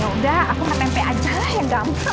yaudah aku ngetempe aja lah yang gampang